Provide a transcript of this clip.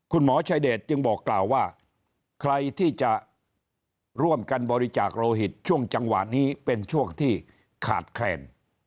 คุณหมอชายเดชจึงบอกกล่าวว่าใครที่จะร่วมกันบริจาคโลหิตช่วงจังหวะนี้เป็นช่วงที่ขาดแคลน